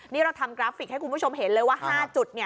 นี่เราทำกราฟิกให้คุณผู้ชมเห็นเลยว่า๕จุด